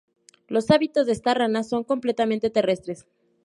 Los hábitos de esta rana son completamente terrestres.